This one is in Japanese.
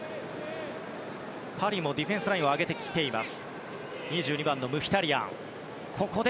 パリもディフェンスラインを上げてきています。